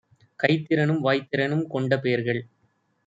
கைத்திறனும் வாய்த்திறனும் கொண்டபேர்கள்